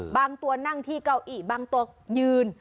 บางตัวนั่งที่เก้าอี้บางตัวยืน